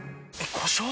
故障？